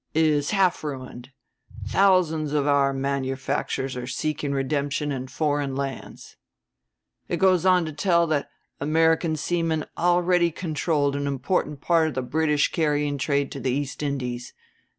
is half ruined...thousands of our manufactures are seeking redemption in foreign lands.' It goes on to tell that American seamen already controlled an important part of the British carrying trade to the East Indies.